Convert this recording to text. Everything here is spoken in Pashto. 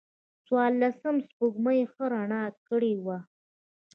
د څوارلسمم سپوږمۍ ښه رڼا کړې وه.